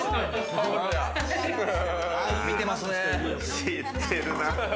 知ってるな。